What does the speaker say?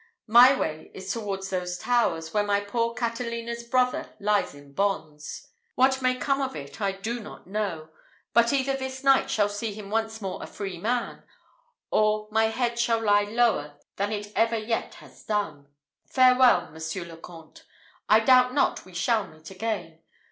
My way is towards those towers, where my poor Catelina's brother lies in bonds. What may come of it, I do not know; but either this night shall see him once more a freeman, or my head shall lie lower than it ever yet has done. Farewell, Monsieur le Comte! I doubt not we shall meet again.